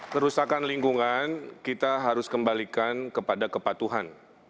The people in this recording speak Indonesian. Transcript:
kerusakan lingkungan kita harus kembalikan kepada kepatuhan